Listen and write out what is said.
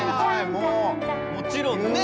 もちろんね。